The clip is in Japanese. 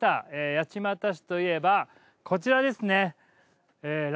八街市といえばこちらですね。